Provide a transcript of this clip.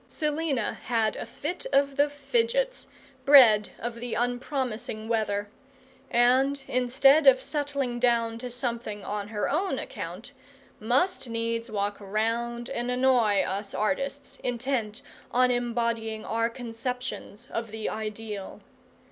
Selina had a fit of the fidgets, bred of the unpromising weather, and, instead of settling down to something on her own account, must needs walk round and annoy us artists, intent on embodying our conceptions of the ideal.